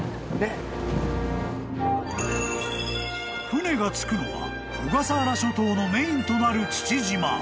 ［船が着くのは小笠原諸島のメインとなる］